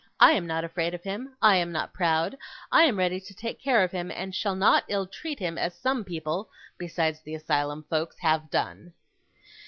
I am not afraid of him, I am not proud, I am ready to take care of him, and shall not ill treat him as some people (besides the asylum folks) have done."